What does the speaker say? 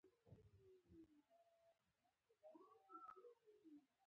عطرونه د ماشومانو لپاره هم ځانګړي ډولونه لري.